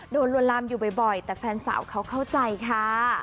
ลวนลามอยู่บ่อยแต่แฟนสาวเขาเข้าใจค่ะ